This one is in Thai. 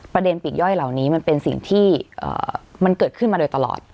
ประเด็นปิดย่อยเหล่านี้มันเป็นสิ่งที่เอ่อมันเกิดขึ้นมาโดยตลอด